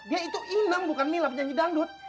dia itu inem bukan mila penyanyi dangdut